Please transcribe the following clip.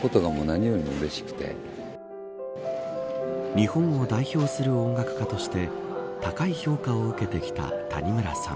日本を代表する音楽家として高い評価を受けてきた谷村さん。